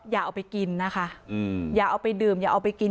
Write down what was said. อย่าเอาไปกินนะคะอย่าเอาไปดื่มอย่าเอาไปกิน